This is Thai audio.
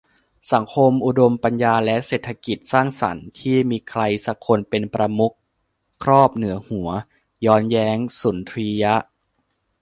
สังคมอุดมปัญญาและเศรษฐกิจสร้างสรรค์ที่มีใครสักคนเป็นประมุขครอบเหนือหัว ย้อนแย้งสุนทรียะ